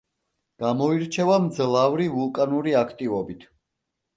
გამოირჩევა მძლავრი ვულკანური აქტივობით.